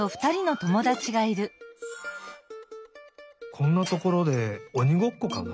こんなところでおにごっこかな？